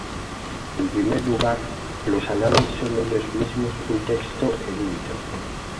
En primer lugar, los anales son ellos mismos un texto erudito.